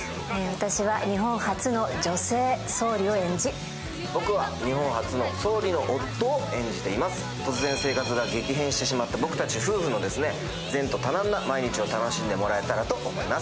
私は日本初の女性総理を演じ僕は日本初の総理の夫を演じています。突然、生活が激変してしまった僕たち夫婦の前途多難な毎日楽しんでいただけたらと思います。